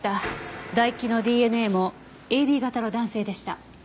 唾液のＤＮＡもＡＢ型の男性でした。